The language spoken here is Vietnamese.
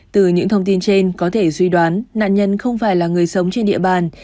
từ những thông tin trên có thể duy đoán nạn nhân không phải là người sống trên địa bàn